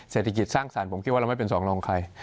เศรษฐกิจสร้างสรรค์ผมคิดว่าเราไม่เป็นสองรองใคร